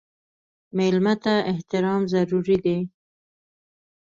مېلمه ته احترام ضروري دی.